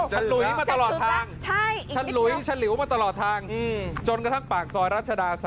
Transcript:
ชั้นหลุยมาตลอดทางใช่อีกนิดเดียวชั้นหลุยมาตลอดทางจนกระทั่งปากซอยรัชดา๓๖